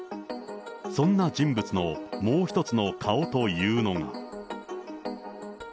そんな人物のもう一つの顔というのが。